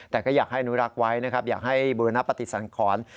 แต่ก็อยากให้อนุรักษ์ไว้นะครับอยากให้บูรณปฏิสังขร